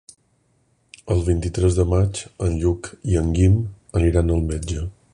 El vint-i-tres de maig en Lluc i en Guim aniran al metge.